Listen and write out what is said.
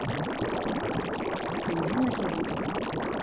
でも変な気分。